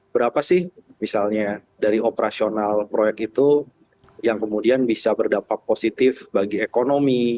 berapa sih misalnya dari operasional proyek itu yang kemudian bisa berdampak positif bagi ekonomi